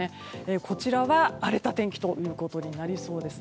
こちらは荒れた天気となりそうです。